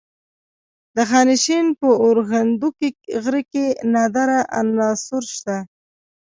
د خانشین په اورښیندونکي غره کې نادره عناصر شته.